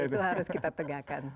itu harus kita tegakkan